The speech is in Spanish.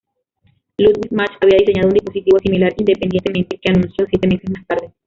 Ludwig Mach había diseñado un dispositivo similar independientemente, que anunció siete meses más tarde.